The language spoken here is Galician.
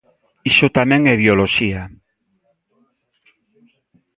Iso tamén é ideoloxía.